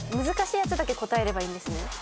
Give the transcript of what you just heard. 難しいやつだけ答えればいいんですね。